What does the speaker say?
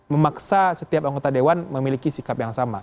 memaksa setiap anggota dewan memiliki sikap yang sama